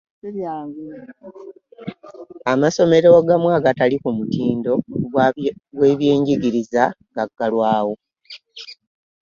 Amasomero agamu agatali ku mutindo gwe byenjigiriza gagalwawo.